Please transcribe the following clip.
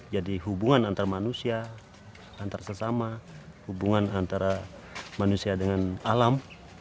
jadi hubungan antar manusia antar sesama hubungan antara manusia dengan alam